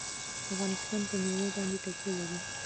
افغانستان په مېوې باندې تکیه لري.